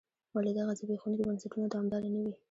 ولې دغه زبېښونکي بنسټونه دوامداره نه وي.